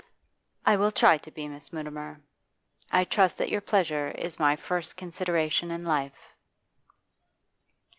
'I will try to be, Miss Mutimer. I trust that your pleasure is my first consideration in life.